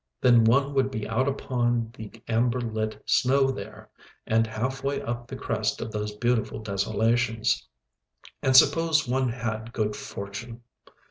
Then one would be out upon the amber lit snow there, and half way up to the crest of those beautiful desolations. And suppose one had good fortune!